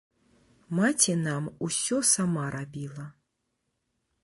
Маці нам усё сама рабіла.